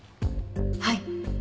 はい。